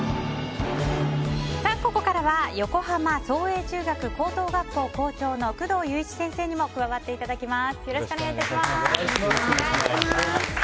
ここからは横浜創英中学・高等学校校長の工藤勇一先生にも加わっていただきます。